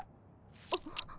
あっ。